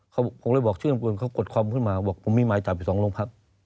เขาผมเลยบอกชื่อตำรวจเขากดคอมขึ้นมาบอกผมมีหมายจับอยู่สองโรงพัก